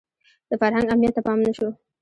د فرهنګ اهمیت ته پام نه شو